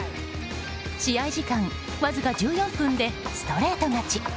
試合時間わずか１４分でストレート勝ち。